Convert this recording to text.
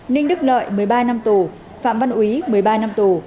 ninh đức lợi một mươi ba năm tù phạm văn quý một mươi ba năm tù